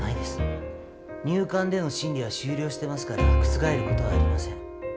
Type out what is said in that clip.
入管での審理は終了してますから覆ることはありません。